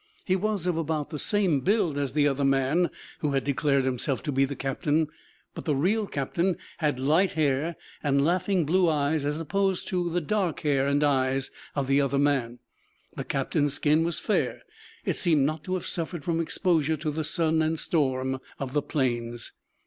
He was of about the same build as the other man who had declared himself to be the captain, but the real captain had light hair and laughing blue eyes, as opposed to the dark hair and eyes of the other man. The captain's skin was fair. It seemed not to have suffered from exposure to the sun and storm of the plains.